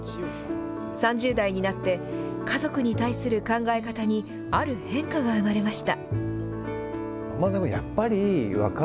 ３０代になって、家族に対する考え方にある変化が生まれました。